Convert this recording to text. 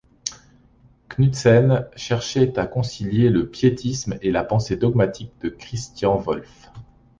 Knutzen cherchait à concilier le Piétisme et la pensée dogmatique de Christian Wolff.